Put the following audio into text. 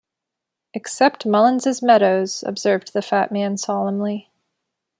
‘Except Mullins’s Meadows,’ observed the fat man solemnly.